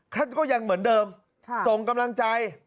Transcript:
ครั้งนี้ก็ยังเหมือนเดิมส่งกำลังใจ